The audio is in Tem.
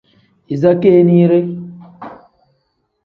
Iza keeniire.